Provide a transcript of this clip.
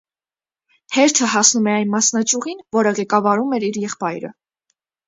Հերթը հասնում է այն մասնաճյուղին, որը ղեկավարում էր իր եղբայրը։